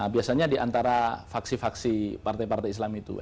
biasanya di antara faksi faksi partai partai islam itu